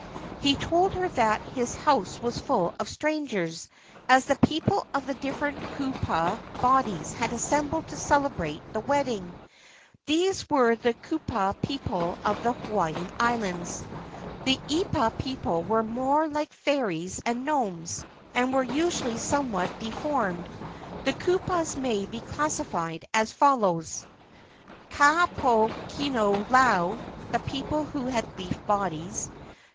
He told her that his house was full of strangers, as the people of the different kupua bodies had assembled to celebrate the wedding. These were the kupua people of the Hawaiian Islands. The eepa people were more like fairies and gnomes, and were usually somewhat de¬ formed. The kupuas may be classified as follows: Ka poe kino lau (the people who had leaf bodies).